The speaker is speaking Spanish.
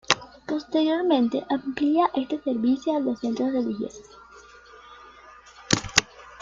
Posteriormente amplía este servicio a los centros religiosos.